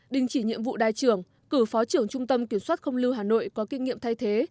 đình chỉ nhiệm vụ đại trưởng cử phó trưởng trung tâm kiểm soát không lưu hà nội có kinh nghiệm thay thế